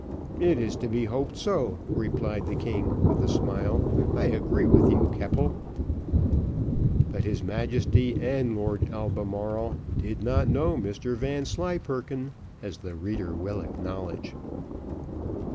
"It is to be hoped so," replied the king, with a smile. "I agree with you, Keppel." But his Majesty and Lord Albemarle did not know Mr Vanslyperken, as the reader will acknowledge.